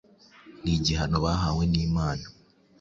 ni igihano bahawe n’Imana.